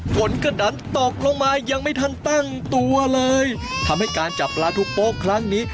ฝนก็ดันตกลงมายังไม่ทันตั้งตัวเลยทำให้การจับปลาทุกโป๊ะครั้งนี้